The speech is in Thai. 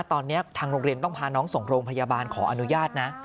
ตอนนี้ทางโรงเรียนต้องพาน้องส่งโรงพยาบาลขออนุญาตนะ